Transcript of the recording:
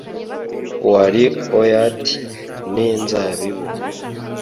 wari oat n'inzabibu